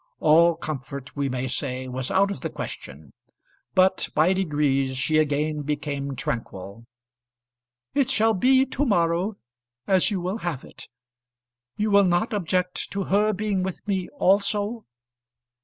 All comfort, we may say, was out of the question; but by degrees she again became tranquil. "It shall be to morrow as you will have it. You will not object to her being with me also?"